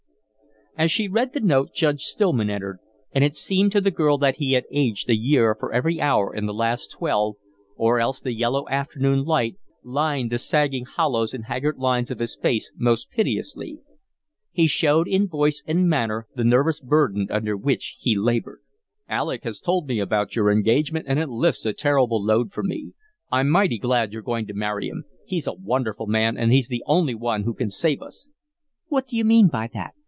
As she read the note, Judge Stillman entered, and it seemed to the girl that he had aged a year for every hour in the last twelve, or else the yellow afternoon light limned the sagging hollows and haggard lines of his face most pitilessly. He showed in voice and manner the nervous burden under which he labored. "Alec has told me about your engagement, and it lifts a terrible load from me. I'm mighty glad you're going to marry him. He's a wonderful man, and he's the only one who can save us." "What do you mean by that?